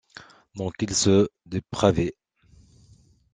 Donc il se dépravait.